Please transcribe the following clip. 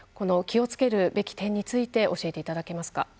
気をつけるべき点について教えていただけますか？